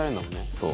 そう。